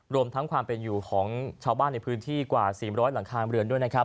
รวมทั้งความเป็นอยู่ของชาวบ้านในพื้นที่กว่า๔๐๐หลังคาเรือนด้วยนะครับ